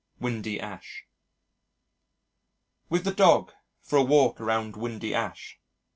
Windy Ash With the dog for a walk around Windy Ash.